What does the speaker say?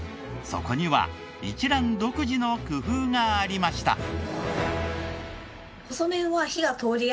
そこには一蘭独自の工夫がありました。